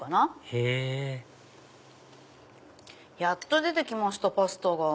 へぇやっと出てきましたパスタが。